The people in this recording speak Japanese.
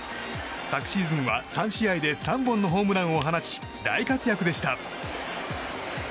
昨シーズンは、３試合で３本のホームランを放ち大活躍でした。